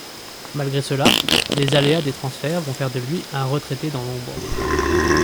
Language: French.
Malgré cela, les aléas des transferts vont faire de lui un retraité dans l'ombre.